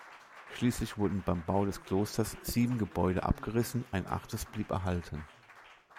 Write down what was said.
Schließlich wurden beim Bau des Klosters sieben Gebäude abgerissen, ein achtes blieb erhalten.